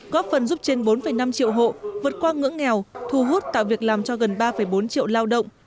góp phần giúp trên bốn năm triệu hộ vượt qua ngưỡng nghèo thu hút tạo việc làm cho gần ba bốn triệu lao động